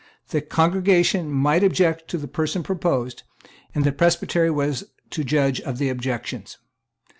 The congregation might object to the person proposed; and the Presbytery was to judge of the objections.